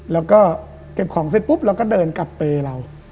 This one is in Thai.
แล้วก็เก็บของเสร็จปุ๊บเราก็เดินกลับเปรย์เรา